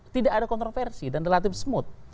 tidak ada kontroversi dan relatif smooth